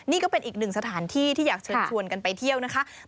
นี่ก็เป็นอีกหนึ่งสถานที่ที่อยากเชิญชวนกันไปเที่ยวนะคะ